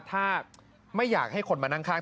ถ้าไม่อยากให้คนมานั่งข้าง